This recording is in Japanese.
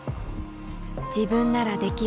自分ならできる